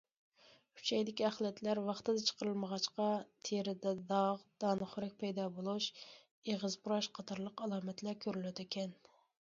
ئۈچەيدىكى ئەخلەتلەر ۋاقتىدا چىقىرىلمىغاچقا، تېرىدە داغ، دانىخورەك پەيدا بولۇش، ئېغىز پۇراش قاتارلىق ئالامەتلەر كۆرۈلىدىكەن.